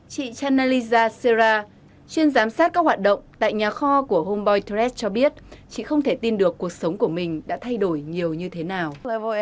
chị chanaliza sera chuyên giám sát các hoạt động tại nhà kho của home bouitreet cho biết chị không thể tin được cuộc sống của mình đã thay đổi nhiều như thế nào